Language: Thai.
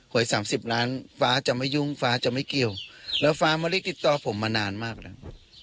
สามสิบล้านฟ้าจะไม่ยุ่งฟ้าจะไม่เกี่ยวแล้วฟ้าไม่ได้ติดต่อผมมานานมากแล้ว